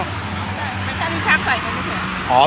ไม่ใช่มันก็จากนั้นไส่เงินก็เฉย